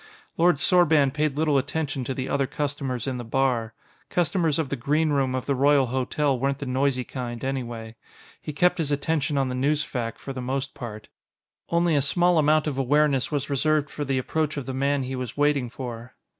Lord Sorban paid little attention to the other customers in the bar; customers of the Green Room of the Royal Hotel weren't the noisy kind, anyway. He kept his attention on the newsfac for the most part; only a small amount of awareness was reserved for the approach of the man he was waiting for.